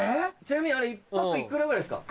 ちなみにあれ１泊幾らぐらいですか？